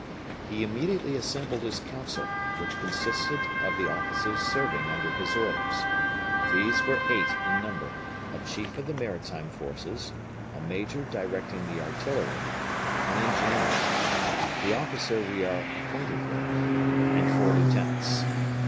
He immediately assembled his council, which consisted of the officers serving under his orders. These were eight in number; a chief of the maritime forces; a major directing the artillery; an engineer, the officer we are acquainted with, and four lieutenants.